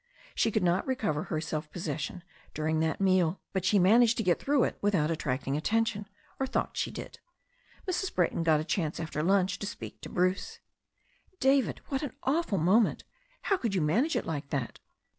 She could not recover her self possession during that 64 THE STORY OF A NEW ZEALAND RIVER meal, but she managed to get through it without attracting attention, or she thought she did. Mrs. Brayton got a chance after lunch to speak to Bruce, "David, what an awful moment ! How could you manage it like that?"